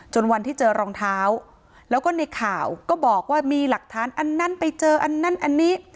วันที่เจอรองเท้าแล้วก็ในข่าวก็บอกว่ามีหลักฐานอันนั้นไปเจออันนั้นอันนี้